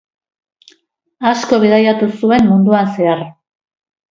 Asko bidaiatu zuen munduan zehar.